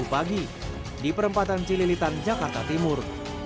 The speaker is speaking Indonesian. di rabu pagi di perempatan cililitan jakarta timur